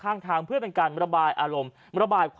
ชาวบ้านญาติโปรดแค้นไปดูภาพบรรยากาศขณะ